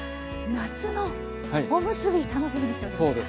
夏のおむすび楽しみにしておりました。